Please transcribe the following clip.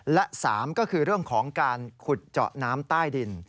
และ๓ก็คือเรื่องของการขุดเจาะน้ำใต้ดิน